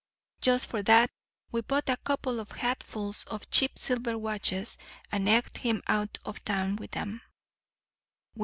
Just for that we bought a couple of hatfuls of cheap silver watches and egged him out of town with 'em.